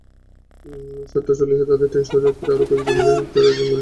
সাতটা চল্লিশে তাঁদের ট্রেন, সহযাত্রী আরও কয়েকজন মিলে ইফতারের আয়োজন করছিলেন।